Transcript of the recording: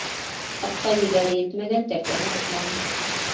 Атҡа егәре етмәгән тәртәне туҡмаған.